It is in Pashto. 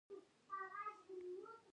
هغه ورباندې ډېر شراب هم وڅښل.